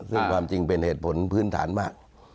ซึ่งความจริงเป็นเหตุผลพื้นฐานมาก